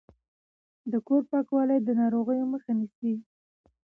د کور پاکوالی د ناروغیو مخه نیسي۔